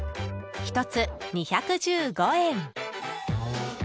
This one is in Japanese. １つ、２１５円。